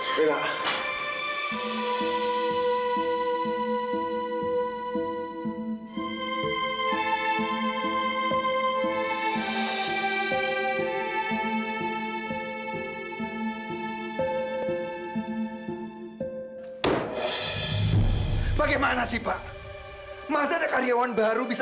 siapaawi karyawan kekurangan buat helm itu